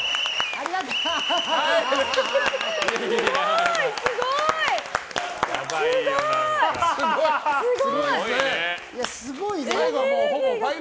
ありがとうね。